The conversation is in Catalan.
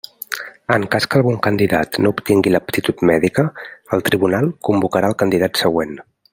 En cas que algun candidat no obtingui l'aptitud mèdica, el tribunal convocarà al candidat següent.